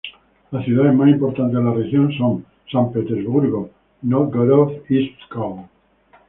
Las ciudades más importantes de la región son San Petersburgo, Nóvgorod y Pskov.